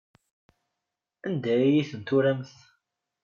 Anda ay ten-turamt?